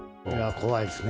怖いですね。